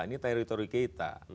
ini teritori kita